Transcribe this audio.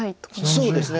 そうですね。